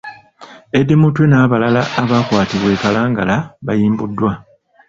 Eddie Mutwe n’abalala abaakwatibwa e Kalangala bayimbuddwa.